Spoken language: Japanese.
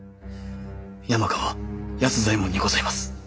山川安左衛門にございます。